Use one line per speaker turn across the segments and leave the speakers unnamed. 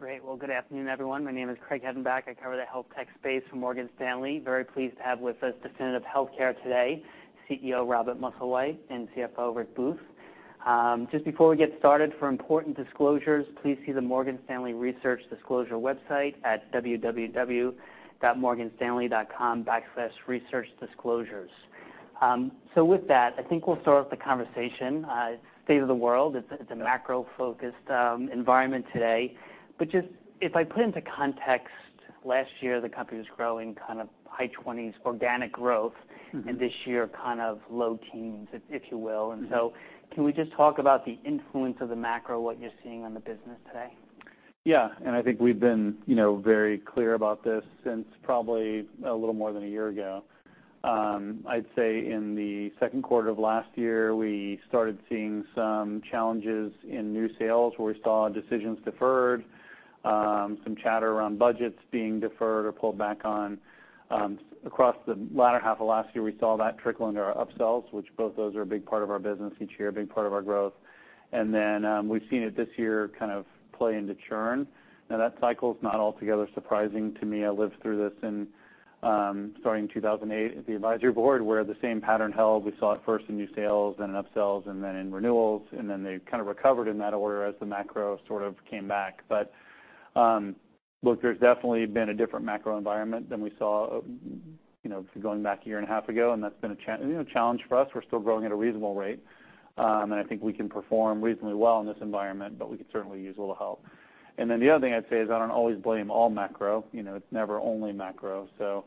Great. Well, good afternoon, everyone. My name is Craig Hettenbach. I cover the health tech space for Morgan Stanley. Very pleased to have with us Definitive Healthcare today, CEO Robert Musslewhite, and CFO Rick Booth. Just before we get started, for important disclosures, please see the Morgan Stanley Research Disclosure website at www.morganstanley.com/researchdisclosures. So with that, I think we'll start the conversation. State of the world, it's a macro-focused environment today. But just if I put into context, last year, the company was growing kind of high 20s organic growth-
Mm-hmm.
And this year, kind of low teens, if you will.
Mm-hmm.
Can we just talk about the influence of the macro, what you're seeing on the business today?
Yeah, and I think we've been, you know, very clear about this since probably a little more than a year ago. I'd say in the second quarter of last year, we started seeing some challenges in new sales, where we saw decisions deferred, some chatter around budgets being deferred or pulled back on. Across the latter half of last year, we saw that trickle into our upsells, which both those are a big part of our business each year, a big part of our growth. And then, we've seen it this year, kind of play into churn. Now, that cycle is not altogether surprising to me. I lived through this in, starting in 2008 at the Advisory Board, where the same pattern held. We saw it first in new sales, then in upsells, and then in renewals, and then they kind of recovered in that order as the macro sort of came back. But, look, there's definitely been a different macro environment than we saw, you know, going back a year and a half ago, and that's been a, you know, a challenge for us. We're still growing at a reasonable rate, and I think we can perform reasonably well in this environment, but we could certainly use a little help. And then the other thing I'd say is I don't always blame all macro. You know, it's never only macro. So,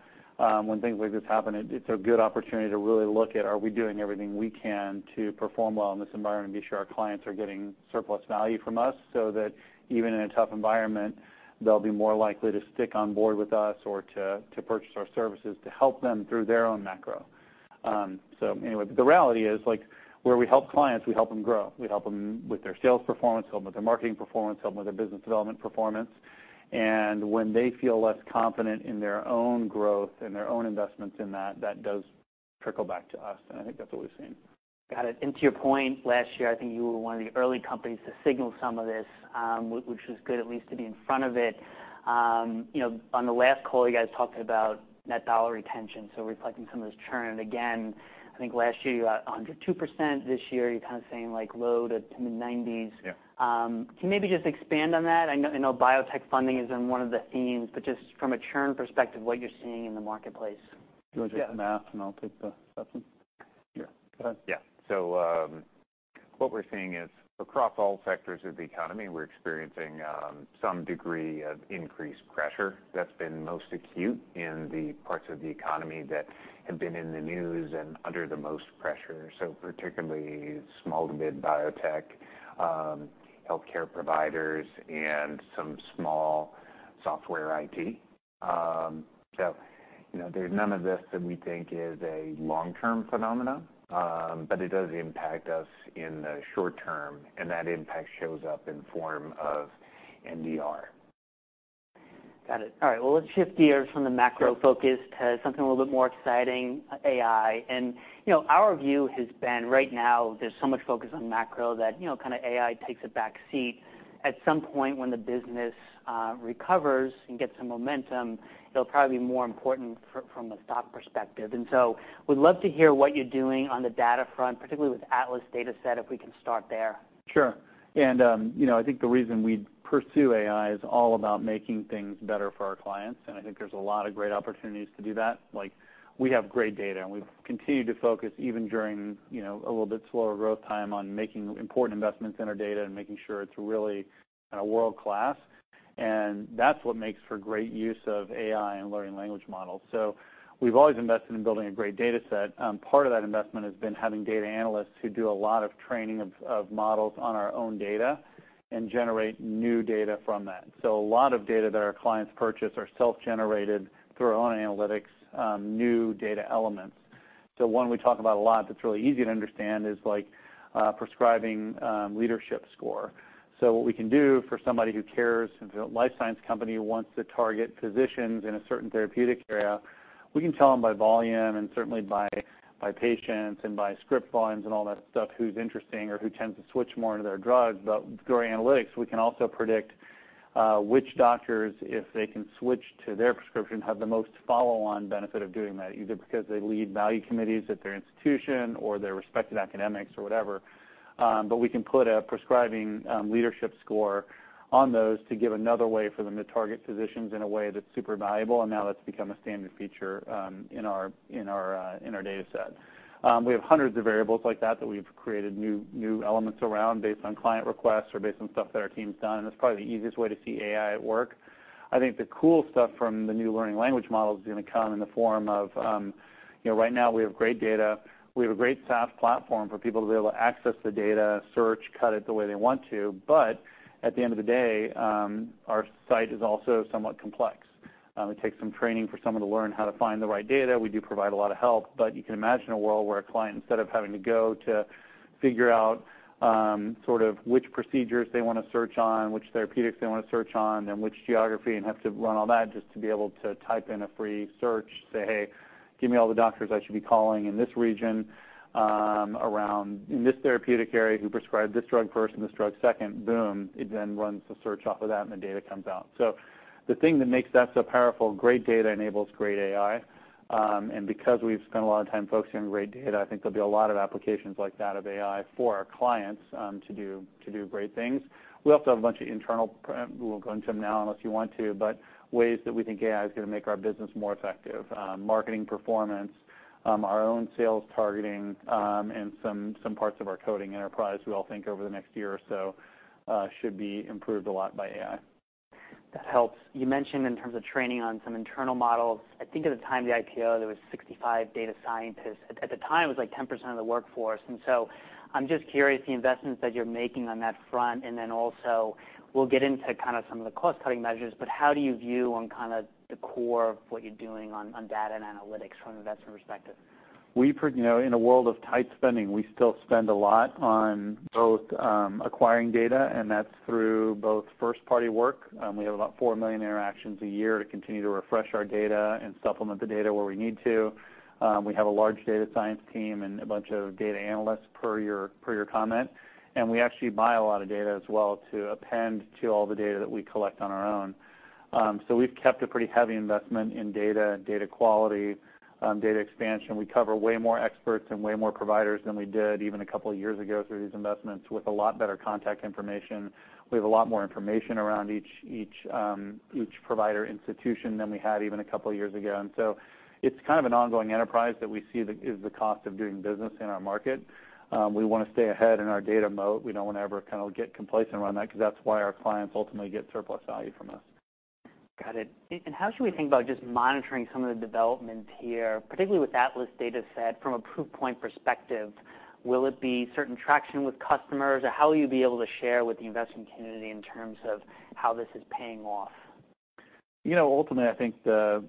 when things like this happen, it's a good opportunity to really look at, are we doing everything we can to perform well in this environment and be sure our clients are getting surplus value from us, so that even in a tough environment, they'll be more likely to stick on board with us or to purchase our services to help them through their own macro. So anyway, but the reality is, like, where we help clients, we help them grow. We help them with their sales performance, help them with their marketing performance, help them with their business development performance. And when they feel less confident in their own growth and their own investments in that, that does trickle back to us, and I think that's what we've seen.
Got it. And to your point, last year, I think you were one of the early companies to signal some of this, which was good, at least to be in front of it. You know, on the last call, you guys talked about net dollar retention, so reflecting some of this churn. Again, I think last year, you got 102%. This year, you're kind of saying, like, low-to-mid 90s.
Yeah.
Can you maybe just expand on that? I know, I know biotech funding has been one of the themes, but just from a churn perspective, what you're seeing in the marketplace.
Do you want to do the math, and I'll take the second?
Yeah.
Go ahead.
Yeah. So what we're seeing is across all sectors of the economy, we're experiencing some degree of increased pressure that's been most acute in the parts of the economy that have been in the news and under the most pressure, so particularly small to mid biotech, healthcare providers and some small software IT. So you know, there's none of this that we think is a long-term phenomena, but it does impact us in the short term, and that impact shows up in the form of NDR.
Got it. All right, well, let's shift gears from the macro-
Sure
-focus to something a little bit more excitin AI. And you know, our view has been, right now, there's so much focus on macro that, you know, kind of AI takes a back seat. At some point, when the business recovers and gets some momentum, it'll probably be more important from a stock perspective. And so we'd love to hear what you're doing on the data front, particularly with Atlas Dataset, if we can start there.
Sure. And, you know, I think the reason we pursue AI is all about making things better for our clients, and I think there's a lot of great opportunities to do that. Like, we have great data, and we've continued to focus, even during, you know, a little bit slower growth time on making important investments in our data and making sure it's really, world-class. And that's what makes for great use of AI and learning language models. So we've always invested in building a great data set. Part of that investment has been having data analysts who do a lot of training of models on our own data and generate new data from that. So a lot of data that our clients purchase are self-generated through our own analytics, new data elements. So one we talk about a lot, that's really easy to understand is, like, Prescribing Leadership Score. So what we can do for somebody who cares, if a life science company wants to target physicians in a certain therapeutic area, we can tell them by volume and certainly by patients and by script volumes and all that stuff, who's interesting or who tends to switch more into their drugs. But through our analytics, we can also predict which doctors, if they can switch to their prescription, have the most follow-on benefit of doing that, either because they lead value committees at their institution or their respective academics or whatever. But we can put a Prescribing Leadership Score on those to give another way for them to target physicians in a way that's super valuable, and now that's become a standard feature in our data set. We have hundreds of variables like that that we've created new elements around based on client requests or based on stuff that our team's done, and that's probably the easiest way to see AI at work. I think the cool stuff from the new learning language model is going to come in the form of. You know, right now, we have great data. We have a great SaaS platform for people to be able to access the data, search, cut it the way they want to, but at the end of the day, our site is also somewhat complex. It takes some training for someone to learn how to find the right data. We do provide a lot of help, but you can imagine a world where a client, instead of having to go to figure out, sort of which procedures they want to search on, which therapeutics they want to search on, and which geography, and have to run all that just to be able to type in a free search, say, "Hey, give me all the doctors I should be calling in this region, around in this therapeutic area, who prescribed this drug first and this drug second." Boom, it then runs the search off of that, and the data comes out. So the thing that makes that so powerful, great data enables great AI. And because we've spent a lot of time focusing on great data, I think there'll be a lot of applications like that of AI for our clients, to do great things. We also have a bunch of internal, we'll go into them now, unless you want to, but ways that we think AI is gonna make our business more effective. Marketing performance, our own sales targeting, and some parts of our coding enterprise, we all think over the next year or so, should be improved a lot by AI.
That helps. You mentioned in terms of training on some internal models, I think at the time of the IPO, there was 65 data scientists. At, at the time, it was like 10% of the workforce, and so I'm just curious, the investments that you're making on that front, and then also, we'll get into kind of some of the cost-cutting measures, but how do you view on kinda the core of what you're doing on, on data and analytics from an investment perspective?
You know, in a world of tight spending, we still spend a lot on both, acquiring data, and that's through both first-party work. We have about 4 million interactions a year to continue to refresh our data and supplement the data where we need to. We have a large data science team and a bunch of data analysts per your, per your comment, and we actually buy a lot of data as well to append to all the data that we collect on our own. So we've kept a pretty heavy investment in data, data quality, data expansion. We cover way more experts and way more providers than we did even a couple of years ago through these investments, with a lot better contact information. We have a lot more information around each provider institution than we had even a couple of years ago. So it's kind of an ongoing enterprise that we see that is the cost of doing business in our market. We wanna stay ahead in our data moat. We don't want to ever kind of get complacent around that because that's why our clients ultimately get surplus value from us.
Got it. And, and how should we think about just monitoring some of the development here, particularly with Atlas Dataset from a proof point perspective? Will it be certain traction with customers, or how will you be able to share with the investment community in terms of how this is paying off?
You know, ultimately, I think the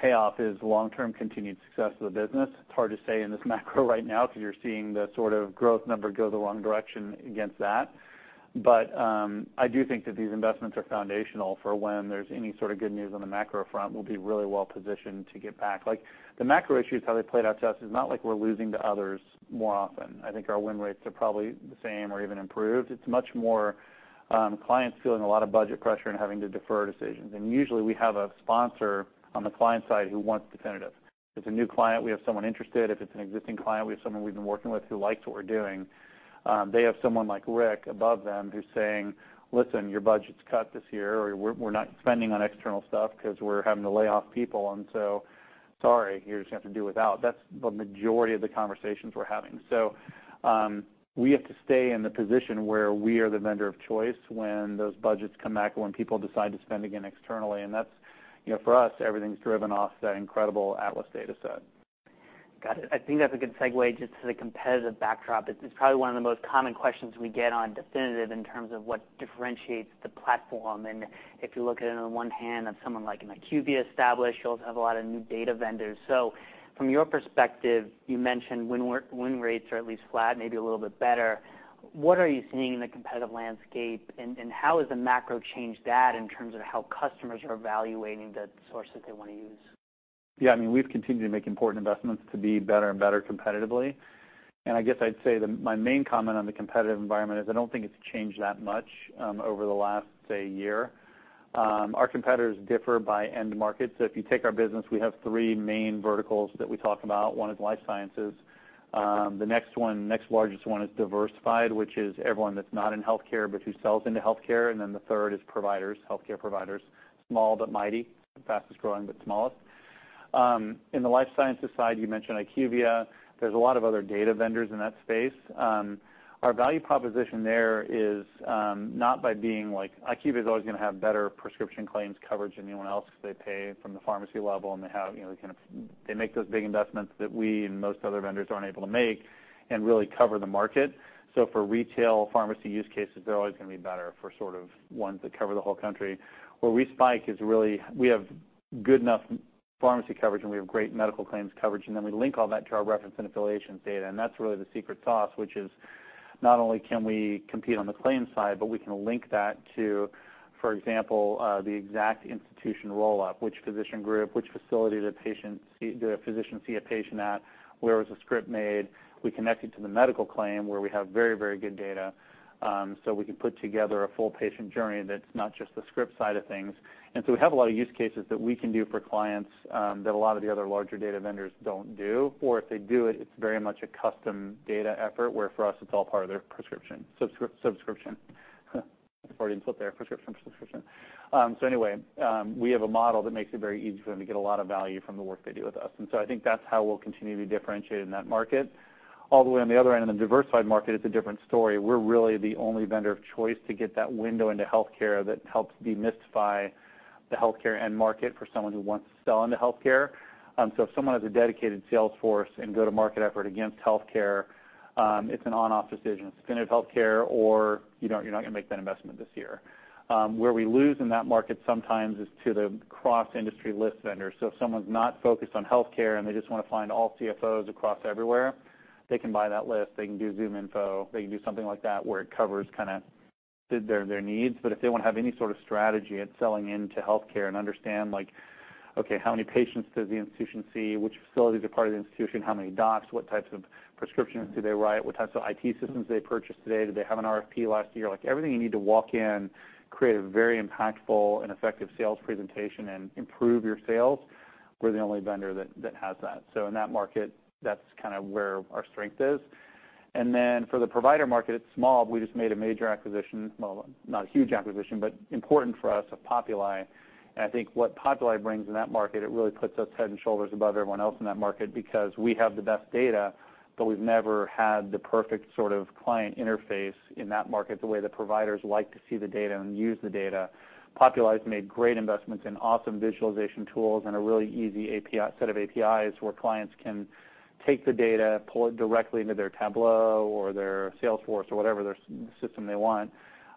payoff is long-term continued success of the business. It's hard to say in this macro right now, 'cause you're seeing the sort of growth number go the wrong direction against that. But I do think that these investments are foundational for when there's any sort of good news on the macro front, we'll be really well positioned to get back. Like, the macro issues, how they played out to us, is not like we're losing to others more often. I think our win rates are probably the same or even improved. It's much more clients feeling a lot of budget pressure and having to defer decisions. And usually, we have a sponsor on the client side who wants Definitive. If it's a new client, we have someone interested. If it's an existing client, we have someone we've been working with who likes what we're doing. They have someone like Rick above them who's saying: "Listen, your budget's cut this year, or we're not spending on external stuff 'cause we're having to lay off people, and so sorry, you're just gonna have to do without." That's the majority of the conversations we're having. So we have to stay in the position where we are the vendor of choice when those budgets come back or when people decide to spend again externally, and that's, you know, for us, everything's driven off that incredible Atlas Dataset.
Got it. I think that's a good segue just to the competitive backdrop. It's, it's probably one of the most common questions we get on Definitive in terms of what differentiates the platform. And if you look at it on the one hand of someone like an IQVIA established, you also have a lot of new data vendors. So from your perspective, you mentioned win-win rates are at least flat, maybe a little bit better. What are you seeing in the competitive landscape, and, and how has the macro changed that in terms of how customers are evaluating the sources they want to use?
Yeah, I mean, we've continued to make important investments to be better and better competitively. I guess I'd say that my main comment on the competitive environment is I don't think it's changed that much over the last, say, year. Our competitors differ by end market. So if you take our business, we have three main verticals that we talk about. One is life sciences. The next one, next largest one is diversified, which is everyone that's not in healthcare, but who sells into healthcare. And then the third is providers, healthcare providers. Small but mighty, the fastest growing, but smallest. In the life sciences side, you mentioned IQVIA. There's a lot of other data vendors in that space. Our value proposition there is not by being like IQVIA. IQVIA is always gonna have better prescription claims coverage than anyone else, because they pay from the pharmacy level, and they have, you know, they make those big investments that we and most other vendors aren't able to make and really cover the market. So for retail pharmacy use cases, they're always gonna be better for sort of ones that cover the whole country. Where we spike is really we have good enough pharmacy coverage, and we have great medical claims coverage, and then we link all that to our reference and affiliations data, and that's really the secret sauce, which is not only can we compete on the claims side, but we can link that to, for example, the exact institution roll-up, which physician group, which facility the physician sees a patient at, where was the script made? We connect it to the medical claim, where we have very, very good data, so we can put together a full patient journey that's not just the script side of things. And so we have a lot of use cases that we can do for clients, that a lot of the other larger data vendors don't do. Or if they do it, it's very much a custom data effort, where for us, it's all part of their prescription, subscription. Freudian slip there, prescription, subscription. So anyway, we have a model that makes it very easy for them to get a lot of value from the work they do with us, and so I think that's how we'll continue to be differentiated in that market... all the way on the other end, in the diversified market, it's a different story. We're really the only vendor of choice to get that window into healthcare that helps demystify the healthcare end market for someone who wants to sell into healthcare. So if someone has a dedicated sales force and go-to-market effort against healthcare, it's an on-off decision. It's going to healthcare, or you're not going to make that investment this year. Where we lose in that market sometimes is to the cross-industry list vendors. So if someone's not focused on healthcare, and they just want to find all CFOs across everywhere, they can buy that list, they can do ZoomInfo, they can do something like that, where it covers kind of their, their needs. But if they want to have any sort of strategy at selling into healthcare and understand, like okay, how many patients does the institution see? Which facilities are part of the institution? How many docs? What types of prescriptions do they write? What types of IT systems they purchase today? Do they have an RFP last year? Like, everything you need to walk in, create a very impactful and effective sales presentation and improve your sales, we're the only vendor that, that has that. So in that market, that's kind of where our strength is. And then for the provider market, it's small. We just made a major acquisition... Well, not a huge acquisition, but important for us, of Populi. And I think what Populi brings in that market, it really puts us head and shoulders above everyone else in that market because we have the best data, but we've never had the perfect sort of client interface in that market, the way that providers like to see the data and use the data. Populi has made great investments in awesome visualization tools and a really easy API set of APIs, where clients can take the data, pull it directly into their Tableau or their Salesforce or whatever their system they want,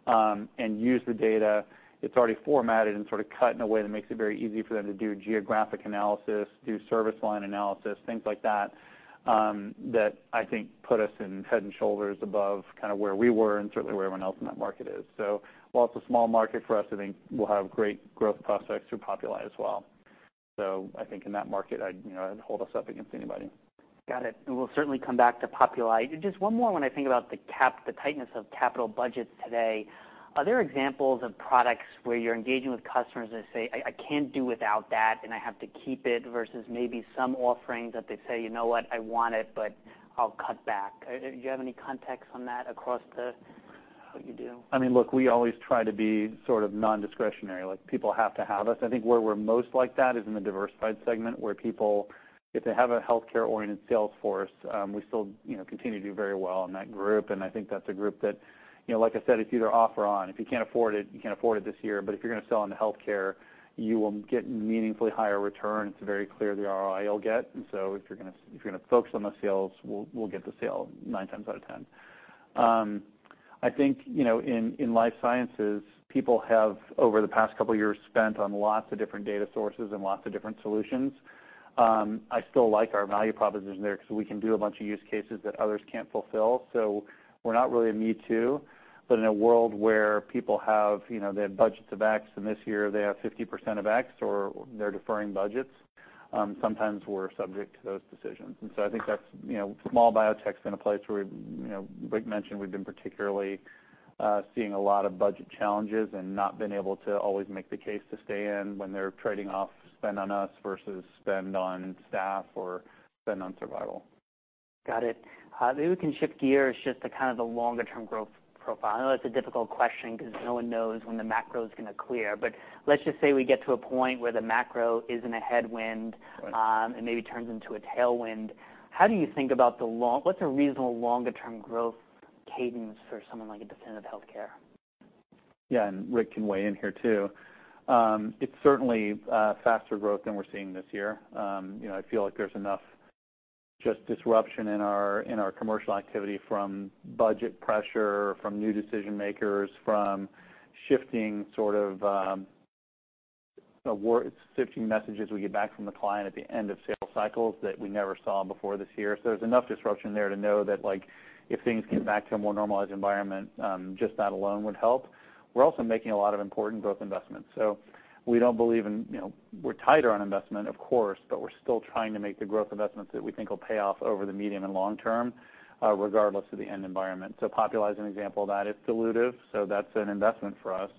and use the data. It's already formatted and sort of cut in a way that makes it very easy for them to do geographic analysis, do service line analysis, things like that, that I think put us in head and shoulders above kind of where we were and certainly where everyone else in that market is. So while it's a small market for us, I think we'll have great growth prospects through Populi as well. So I think in that market, I'd, you know, I'd hold us up against anybody.
Got it. We'll certainly come back to Populi. Just one more, when I think about the capital tightness of capital budgets today, are there examples of products where you're engaging with customers that say, "I, I can't do without that, and I have to keep it," versus maybe some offerings that they say, "You know what? I want it, but I'll cut back." Do you have any context on that across the, what you do?
I mean, look, we always try to be sort of non-discretionary, like, people have to have us. I think where we're most like that is in the diversified segment, where people, if they have a healthcare-oriented sales force, we still, you know, continue to do very well in that group. And I think that's a group that, you know, like I said, it's either off or on. If you can't afford it, you can't afford it this year. But if you're going to sell into healthcare, you will get meaningfully higher return. It's very clear the ROI you'll get, and so if you're gonna, if you're gonna focus on the sales, we'll, we'll get the sale nine times out of ten. I think, you know, in life sciences, people have, over the past couple of years, spent on lots of different data sources and lots of different solutions. I still like our value proposition there, 'cause we can do a bunch of use cases that others can't fulfill. So we're not really a me too, but in a world where people have, you know, they had budgets of X and this year they have 50% of X, or they're deferring budgets, sometimes we're subject to those decisions. And so I think that's, you know, small biotech is in a place where, you know, Rick mentioned we've been particularly seeing a lot of budget challenges and not been able to always make the case to stay in when they're trading off spend on us versus spend on staff or spend on survival.
Got it. Maybe we can shift gears just to kind of the longer-term growth profile. I know that's a difficult question because no one knows when the macro is going to clear. But let's just say we get to a point where the macro isn't a headwind-
Right...
and maybe turns into a tailwind. How do you think about the long-term? What's a reasonable longer-term growth cadence for someone like Definitive Healthcare?
Yeah, and Rick can weigh in here, too. It's certainly faster growth than we're seeing this year. You know, I feel like there's enough just disruption in our, in our commercial activity from budget pressure, from new decision makers, from shifting sort of shifting messages we get back from the client at the end of sales cycles that we never saw before this year. So there's enough disruption there to know that, like, if things get back to a more normalized environment, just that alone would help. We're also making a lot of important growth investments. So we don't believe in, you know, we're tighter on investment, of course, but we're still trying to make the growth investments that we think will pay off over the medium and long term, regardless of the end environment. So Populi is an example of that. It's dilutive, so that's an investment for us,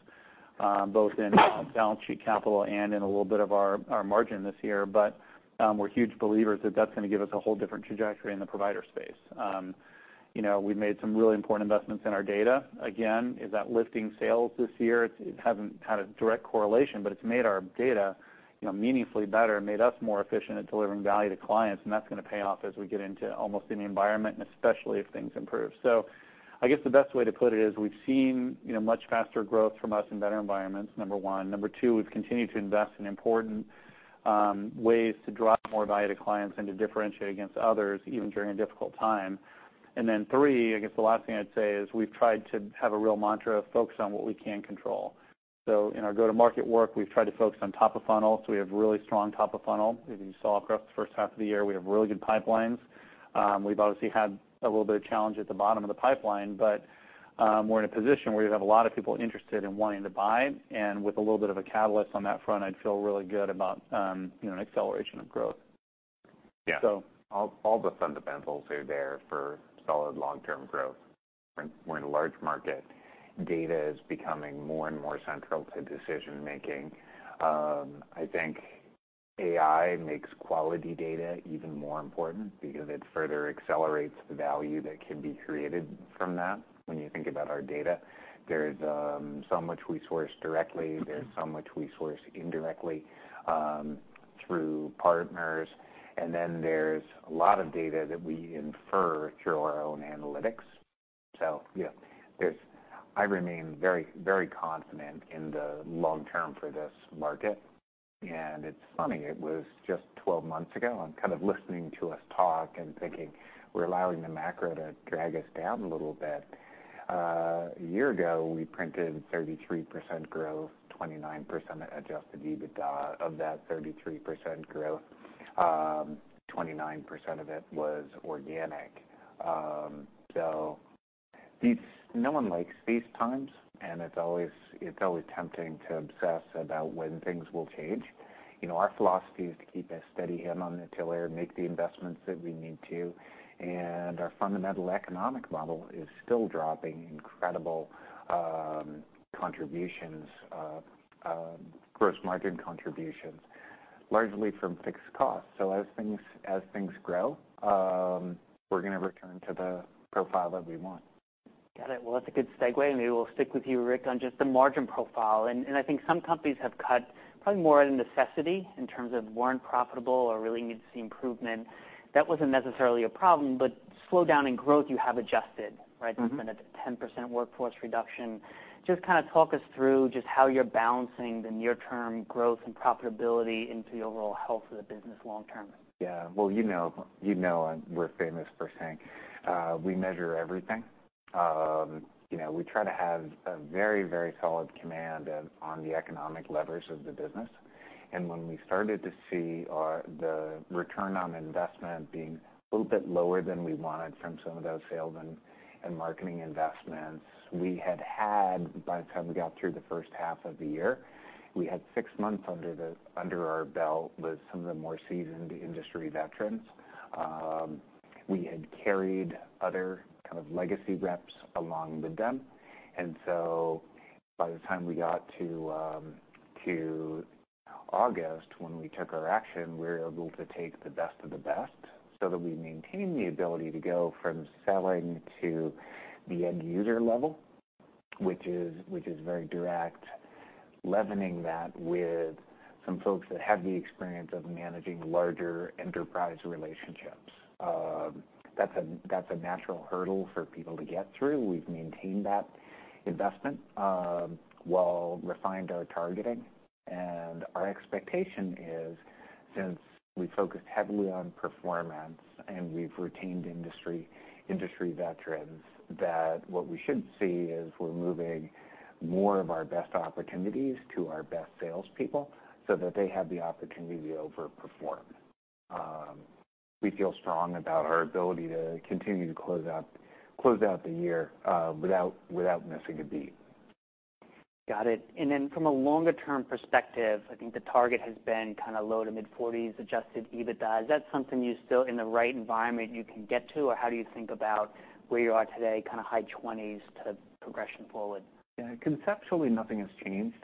both in balance sheet capital and in a little bit of our, our margin this year. But, we're huge believers that that's going to give us a whole different trajectory in the provider space. You know, we've made some really important investments in our data. Again, is that lifting sales this year? It hasn't had a direct correlation, but it's made our data, you know, meaningfully better and made us more efficient at delivering value to clients, and that's going to pay off as we get into almost any environment, and especially if things improve. So I guess the best way to put it is, we've seen, you know, much faster growth from us in better environments, number one. Number two, we've continued to invest in important ways to drive more value to clients and to differentiate against others, even during a difficult time. And then three, I guess the last thing I'd say is, we've tried to have a real mantra of focus on what we can control. So in our go-to-market work, we've tried to focus on top of funnel, so we have really strong top of funnel. If you saw across the first half of the year, we have really good pipelines. We've obviously had a little bit of challenge at the bottom of the pipeline, but we're in a position where we have a lot of people interested in wanting to buy, and with a little bit of a catalyst on that front, I'd feel really good about, you know, an acceleration of growth.
Yeah.
So-
All the fundamentals are there for solid long-term growth. We're in a large market. Data is becoming more and more central to decision making. I think AI makes quality data even more important because it further accelerates the value that can be created from that. When you think about our data, there's some which we source directly, there's some which we source indirectly through partners, and then there's a lot of data that we infer through our own analytics. So yeah, there's—I remain very, very confident in the long term for this market. It's funny, it was just 12 months ago, I'm kind of listening to us talk and thinking we're allowing the macro to drag us down a little bit. A year ago, we printed 33% growth, 29% Adjusted EBITDA. Of that 33% growth, 29% of it was organic. So these, no one likes these times, and it's always, it's always tempting to obsess about when things will change. You know, our philosophy is to keep a steady hand on the tiller, make the investments that we need to, and our fundamental economic model is still dropping incredible contributions, gross margin contributions, largely from fixed costs. So as things, as things grow, we're going to return to the profile that we want.
Got it. Well, that's a good segue, and maybe we'll stick with you, Rick, on just the margin profile. And I think some companies have cut probably more out of necessity in terms of weren't profitable or really need to see improvement. That wasn't necessarily a problem, but slowdown in growth, you have adjusted, right?
Mm-hmm.
There's been a 10% workforce reduction. Just kind of talk us through just how you're balancing the near-term growth and profitability into the overall health of the business long term.
Yeah. Well, you know, and we're famous for saying we measure everything. You know, we try to have a very, very solid command on the economic levers of the business. And when we started to see the return on investment being a little bit lower than we wanted from some of those sales and marketing investments, we had had, by the time we got through the first half of the year, we had six months under our belt with some of the more seasoned industry veterans. We had carried other kind of legacy reps along with them. By the time we got to August, when we took our action, we were able to take the best of the best, so that we maintain the ability to go from selling to the end user level, which is very direct, leavening that with some folks that have the experience of managing larger enterprise relationships. That's a natural hurdle for people to get through. We've maintained that investment while refined our targeting. Our expectation is, since we focused heavily on performance and we've retained industry veterans, that what we should see is we're moving more of our best opportunities to our best salespeople so that they have the opportunity to overperform. We feel strong about our ability to continue to close out the year without missing a beat.
Got it. And then from a longer-term perspective, I think the target has been kind of low-to-mid 40s Adjusted EBITDA. Is that something you still, in the right environment, you can get to? Or how do you think about where you are today, kind of high 20s to progression forward?
Yeah, conceptually, nothing has changed.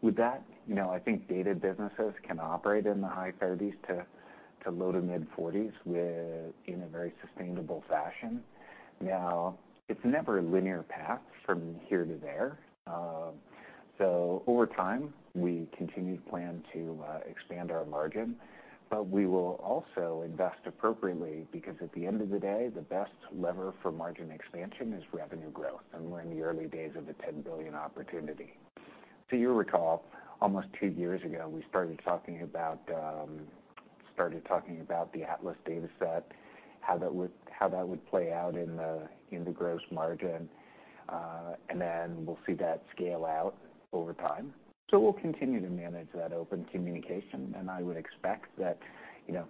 With that, you know, I think data businesses can operate in the high 30s to low-to-mid 40s within a very sustainable fashion. Now, it's never a linear path from here to there. So over time, we continue to plan to expand our margin, but we will also invest appropriately, because at the end of the day, the best lever for margin expansion is revenue growth, and we're in the early days of the $10 billion opportunity. So you recall, almost two years ago, we started talking about the Atlas Dataset, how that would play out in the gross margin, and then we'll see that scale out over time. We'll continue to manage that open communication, and I would expect that, you know,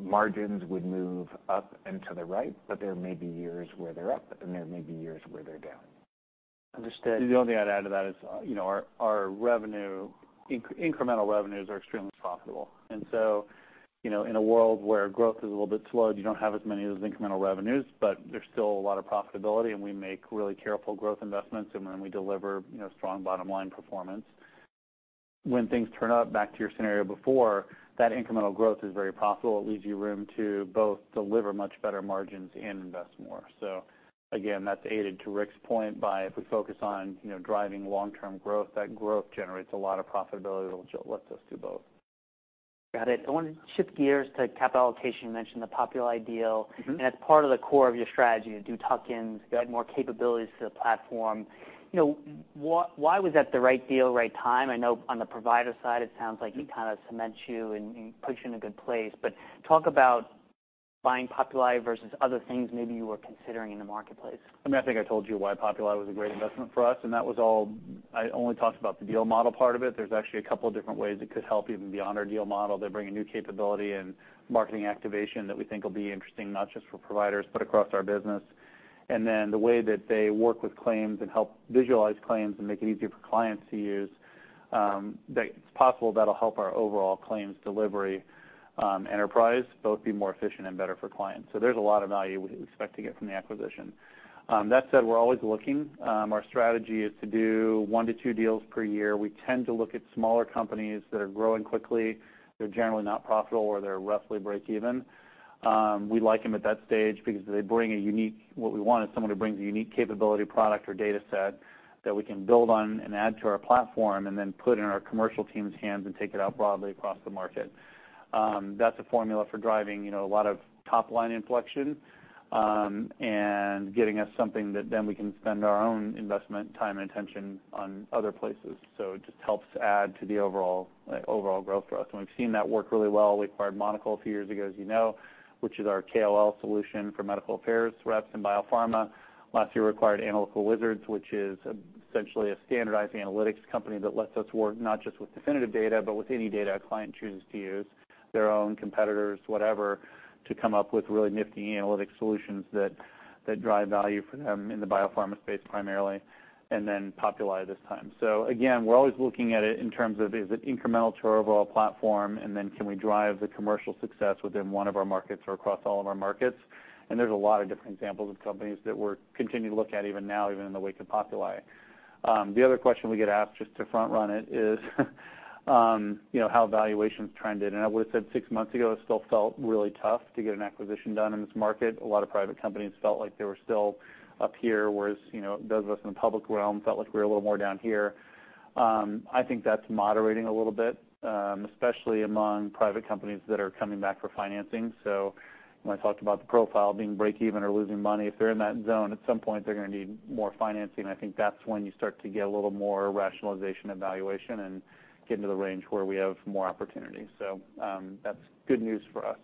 margins would move up and to the right, but there may be years where they're up, and there may be years where they're down.
Understood.
The only thing I'd add to that is, you know, our incremental revenues are extremely profitable. And so, you know, in a world where growth is a little bit slowed, you don't have as many of those incremental revenues, but there's still a lot of profitability, and we make really careful growth investments, and then we deliver, you know, strong bottom line performance. When things turn up, back to your scenario before, that incremental growth is very profitable. It leaves you room to both deliver much better margins and invest more. So again, that's aided, to Rick's point, by if we focus on, you know, driving long-term growth, that growth generates a lot of profitability, which lets us do both.
Got it. I want to shift gears to capital allocation. You mentioned the Populi deal-
Mm-hmm.
It's part of the core of your strategy to do tuck-ins, to add more capabilities to the platform. You know, why was that the right deal, right time? I know on the provider side, it sounds like it kind of cements you and puts you in a good place. But talk about buying Populi versus other things maybe you were considering in the marketplace.
I mean, I think I told you why Populi was a great investment for us, and that was all. I only talked about the deal model part of it. There's actually a couple of different ways it could help even beyond our deal model. They bring a new capability and marketing activation that we think will be interesting, not just for providers, but across our business. And then the way that they work with claims and help visualize claims and make it easier for clients to use, that it's possible that'll help our overall claims delivery enterprise, both be more efficient and better for clients. So there's a lot of value we expect to get from the acquisition. That said, we're always looking. Our strategy is to do one to two deals per year. We tend to look at smaller companies that are growing quickly. They're generally not profitable, or they're roughly break even. We like them at that stage because they bring a unique, what we want is someone who brings a unique capability, product, or data set that we can build on and add to our platform and then put in our commercial team's hands and take it out broadly across the market. That's a formula for driving, you know, a lot of top-line inflection, and getting us something that then we can spend our own investment, time, and attention on other places. So it just helps add to the overall, overall growth for us. And we've seen that work really well. We acquired Monocl a few years ago, as you know, which is our KOL solution for medical affairs, reps, and biopharma. Last year, we acquired Analytical Wizards which is essentially a standardized analytics company that lets us work not just with Definitive data, but with any data a client chooses to use, their own competitors, whatever, to come up with really nifty analytic solutions that drive value for them in the biopharma space primarily, and then Populi this time. So again, we're always looking at it in terms of, is it incremental to our overall platform, and then can we drive the commercial success within one of our markets or across all of our markets? And there's a lot of different examples of companies that we're continuing to look at, even now, even in the wake of Populi. The other question we get asked, just to front-run it, is how valuations trended. I would have said six months ago, it still felt really tough to get an acquisition done in this market. A lot of private companies felt like they were still up here, whereas, you know, those of us in the public realm felt like we were a little more down here. I think that's moderating a little bit, especially among private companies that are coming back for financing. So when I talked about the profile being break even or losing money, if they're in that zone, at some point, they're gonna need more financing. I think that's when you start to get a little more rationalization and valuation and get into the range where we have more opportunities. So, that's good news for us.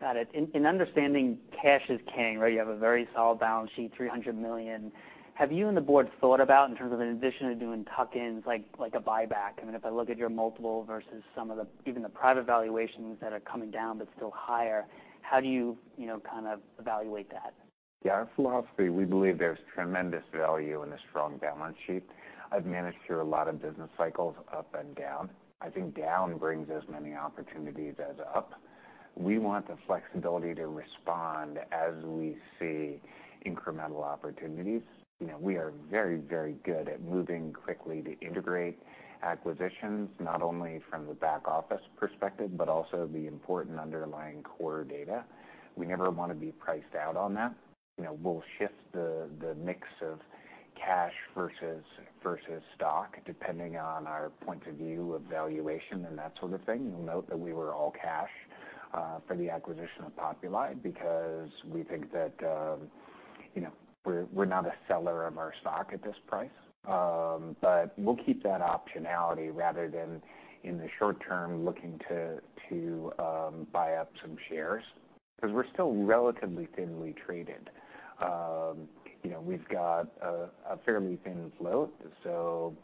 Got it. In understanding cash is king, where you have a very solid balance sheet, $300 million, have you and the board thought about, in terms of in addition to doing tuck-ins, like a buyback? I mean, if I look at your multiple versus some of the—even the private valuations that are coming down but still higher, how do you, you know, kind of evaluate that?
Yeah, our philosophy, we believe there's tremendous value in a strong balance sheet. I've managed through a lot of business cycles, up and down. I think down brings as many opportunities as up. We want the flexibility to respond as we see incremental opportunities. You know, we are very, very good at moving quickly to integrate acquisitions, not only from the back office perspective, but also the important underlying core data. We never wanna be priced out on that. You know, we'll shift the mix of cash versus stock, depending on our point of view of valuation and that sort of thing. You'll note that we were all cash for the acquisition of Populi because we think that, you know, we're not a seller of our stock at this price. But we'll keep that optionality rather than in the short term, looking to buy up some shares, 'cause we're still relatively thinly traded. You know, we've got a fairly thin float, so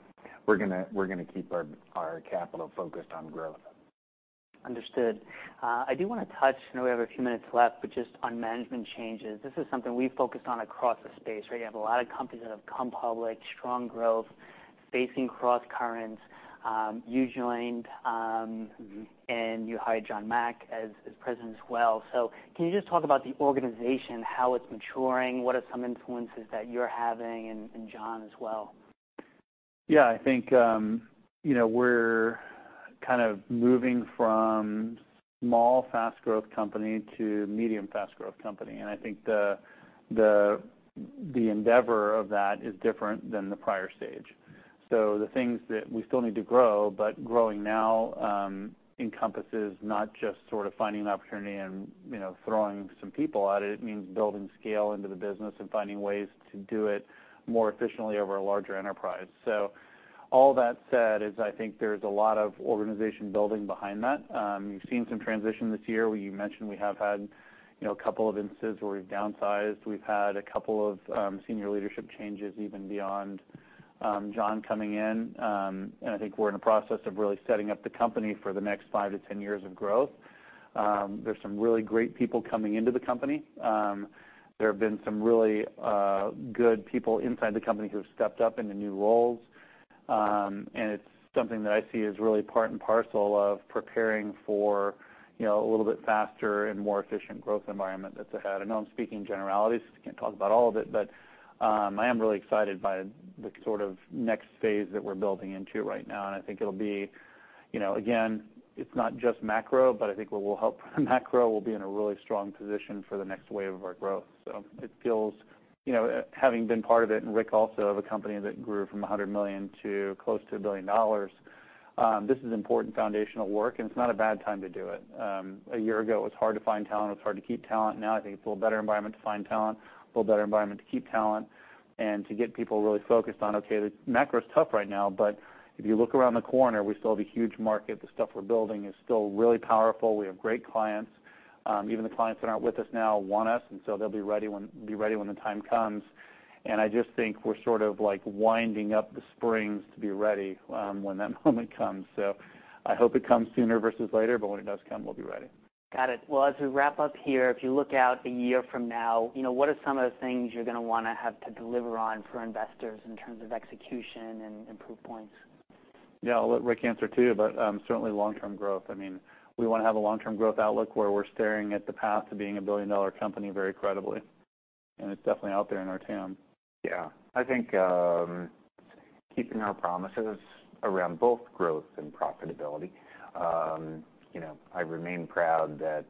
we're gonna keep our capital focused on growth.
Understood. I do wanna touch, I know we have a few minutes left, but just on management changes. This is something we focused on across the space, where you have a lot of companies that have come public, strong growth, facing crosscurrents. You joined,
Mm-hmm.
You hired Jon Maack as president as well. So can you just talk about the organization, how it's maturing, what are some influences that you're having, and Jon as well?
Yeah, I think, you know, we're kind of moving from small, fast growth company to medium fast growth company. And I think the endeavor of that is different than the prior stage. So the things that we still need to grow, but growing now, encompasses not just sort of finding an opportunity and, you know, throwing some people at it. It means building scale into the business and finding ways to do it more efficiently over a larger enterprise. So all that said, I think there's a lot of organization building behind that. You've seen some transition this year, where you mentioned we have had, you know, a couple of instances where we've downsized. We've had a couple of senior leadership changes, even beyond, Jon coming in. And I think we're in the process of really setting up the company for the next 5-10 years of growth. There's some really great people coming into the company. There have been some really good people inside the company who have stepped up into new roles. And it's something that I see as really part and parcel of preparing for, you know, a little bit faster and more efficient growth environment that's ahead. I know I'm speaking in generalities, because I can't talk about all of it, but, I am really excited by the sort of next phase that we're building into right now. And I think it'll be... You know, again, it's not just macro, but I think what will help macro, we'll be in a really strong position for the next wave of our growth. So it feels, you know, having been part of it, and Rick also, of a company that grew from $100 million to close to $1 billion, this is important foundational work, and it's not a bad time to do it. A year ago, it was hard to find talent, it was hard to keep talent. Now, I think it's a little better environment to find talent, a little better environment to keep talent and to get people really focused on, okay, the macro is tough right now, but if you look around the corner, we still have a huge market. The stuff we're building is still really powerful. We have great clients. Even the clients that aren't with us now, want us, and so they'll be ready when the time comes. I just think we're sort of, like, winding up the springs to be ready, when that moment comes. I hope it comes sooner versus later, but when it does come, we'll be ready.
Got it. Well, as we wrap up here, if you look out a year from now, you know, what are some of the things you're gonna wanna have to deliver on for investors in terms of execution and improve points?
Yeah, I'll let Rick answer, too, but, certainly long-term growth. I mean, we wanna have a long-term growth outlook, where we're staring at the path to being a billion-dollar company very credibly, and it's definitely out there in our TAM.
Yeah. I think, keeping our promises around both growth and profitability. You know, I remain proud that,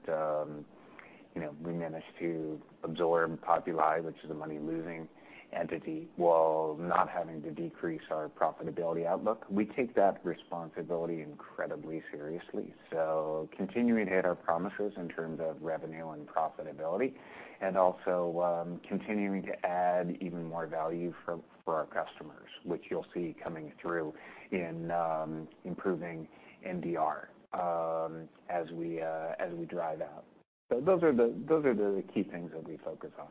you know, we managed to absorb Populi, which is a money-losing entity, while not having to decrease our profitability outlook. We take that responsibility incredibly seriously. So continuing to hit our promises in terms of revenue and profitability, and also, continuing to add even more value for our customers, which you'll see coming through in improving NDR, as we drive out. So those are the key things that we focus on.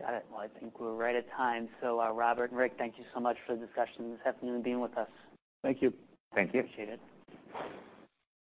Got it. Well, I think we're right at time. So, Robert and Rick, thank you so much for the discussion this afternoon and being with us.
Thank you.
Thank you.
Appreciate it.